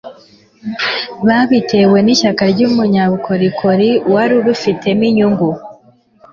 babitewe n'ishyaka ry'umunyabukorikori wari ubifitemo inyungu